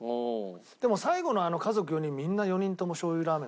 でも最後のあの家族４人みんな４人ともしょう油ラーメン。